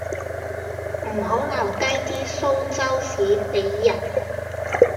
唔好留低啲蘇州屎俾人